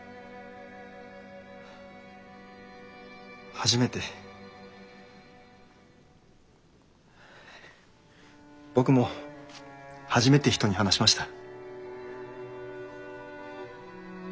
初めて僕も初めて人に話しました。